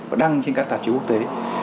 và đăng trên các tạp chí quốc tế